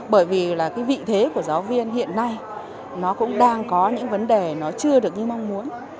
bởi vì là cái vị thế của giáo viên hiện nay nó cũng đang có những vấn đề nó chưa được như mong muốn